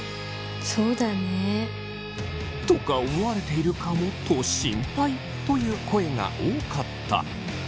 そうだね。とか思われているかもと心配という声が多かった。